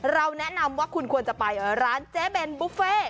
เราแนะนำว่าคุณควรจะไปร้านเจ๊เบนบุฟเฟ่